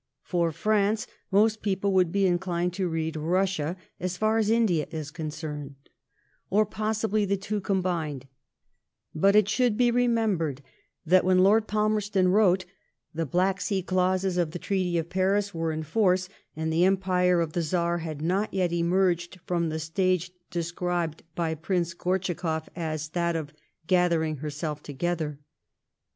For " France *' most people would be inclined to read ^' Russia," as far as India is concerned, or possibly the i^wo combined ; but it should be remembered that when Lord Falmerston wrote, the Black Sea clauses of the Treaty of Paris were in force, and the Empire of the Ozar had not yet emerged from the stage described by Prince Gortschakoff as that of '^ gathering herself together.'